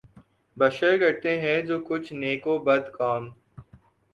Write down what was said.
بشر کرتے ہیں جو کچھ نیک و بد کام